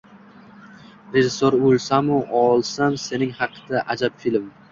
Rejisso‘r o‘lsam-u olsam sening haqda ajib film